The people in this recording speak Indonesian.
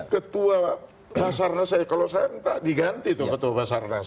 ketua basarnas kalau saya minta diganti tuh ketua basarnas